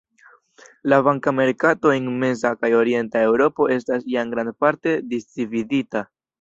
La banka merkato en meza kaj orienta Eŭropo estas jam grandparte disdividita.